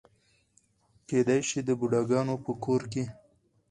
کېدای شي د بوډاګانو په کور کې.